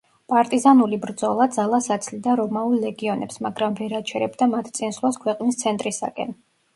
პარტიზანული ბრძოლა ძალას აცლიდა რომაულ ლეგიონებს, მაგრამ ვერ აჩერებდა მათ წინსვლას ქვეყნის ცენტრისაკენ.